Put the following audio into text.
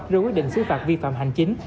rồi quyết định xứ phạt vi phạm hành chính